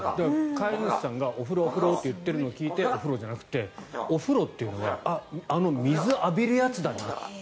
飼い主さんがお風呂、お風呂って言ってるのを聞いてお風呂じゃなくてお風呂というのはあの水を浴びるやつだと。